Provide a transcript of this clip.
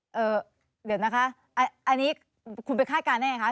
อ่าอือเดี๋ยวนะคะอ่านี่คุณไปคาดการณ์ได้ไงค่ะ